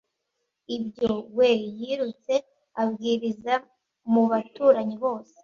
ibyo, we, yirutse, abwiriza mu baturanyi bose